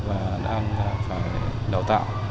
và đang phải đào tạo